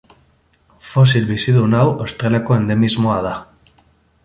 Fosil bizidun hau Australiako endemismoa da.